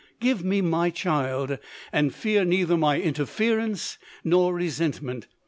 Give me my child, and fear neither my interference nor resentment.